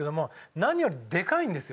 何よりでかいんですよ。